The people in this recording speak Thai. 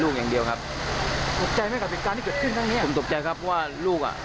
ก็เลยผมจริงจากหน้าต่าง